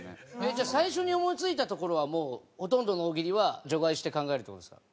じゃあ最初に思い付いたところはもうほとんどの大喜利は除外して考えるって事ですか？